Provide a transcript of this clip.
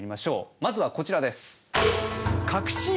まずはこちらです。